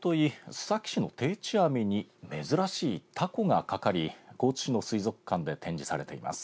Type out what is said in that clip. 須崎市の定置網に珍しいタコがかかり高知市の水族館で展示されています。